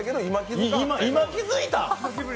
今気づいた？